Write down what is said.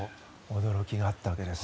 驚きになったわけです。